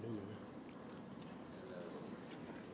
ขอบคุณครับ